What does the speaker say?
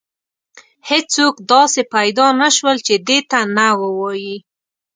هیڅوک داسې پیدا نه شول چې دې ته نه ووایي.